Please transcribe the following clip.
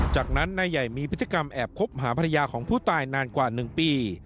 จากนั้นนายใหญ่มีพฤติกรรมแอบคบหาภรรยาของผู้ตายนานกว่า๑ปี